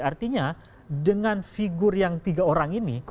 artinya dengan figur yang tiga orang ini